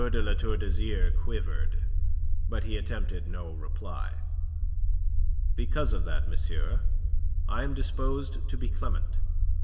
de La Tour d'Azyr quivered. But he attempted no reply. "Because of that, monsieur, I am disposed to be clement.